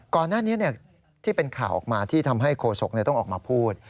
ก่อนหน้านี้ที่เป็นข่าวออกมาที่ทำให้โคศกต้องออกมาพูด